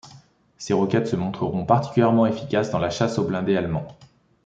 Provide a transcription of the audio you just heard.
Ces roquettes se montreront particulièrement efficaces dans la chasse aux blindés allemands.